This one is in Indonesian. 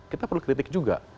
kita perlu kritik juga